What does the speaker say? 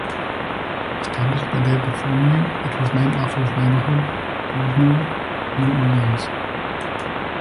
Established by Dave Bartholomew, it was named after his neighborhood Broadmoor, New Orleans.